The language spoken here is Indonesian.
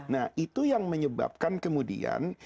nah itu yang menyebabkan kemudian